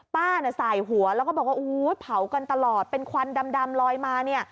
ป้าใส่หัวแล้วก็บอกว่าเผากันตลอดเป็นควันดำลอยมา